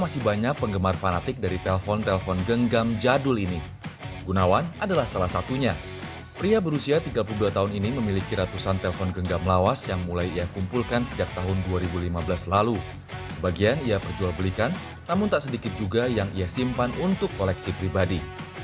sebagian ia perjual belikan namun tak sedikit juga yang ia simpan untuk koleksi pribadi